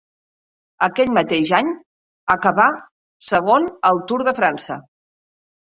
Aquell mateix any, acabà segon al Tour de França.